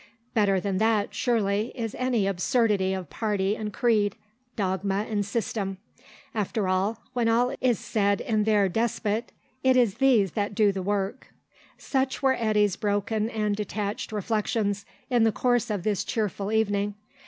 Better than that, surely, is any absurdity of party and creed, dogma and system. After all, when all is said in their despite, it is these that do the work. Such were Eddy's broken and detached reflections in the course of this cheerful evening.